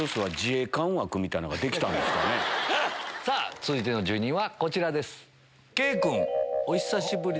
続いての住人はこちらです。